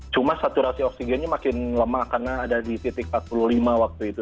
cuma saturasi oksigennya makin lemah karena ada di titik empat puluh lima waktu itu